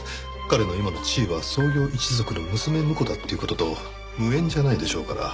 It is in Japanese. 彼の今の地位は創業一族の娘婿だっていう事と無縁じゃないでしょうから。